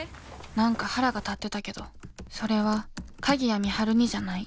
何か腹が立ってたけどそれは鍵谷美晴にじゃない。